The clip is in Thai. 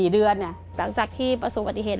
๔เดือนจากที่ประสุนปฏิเหตุ